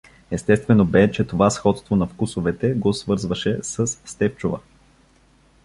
Естествено бе, че това сходство на вкусовете го свързваше със Стефчова.